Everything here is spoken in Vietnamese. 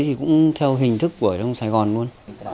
thì cũng theo hình thức của ông sài gòn luôn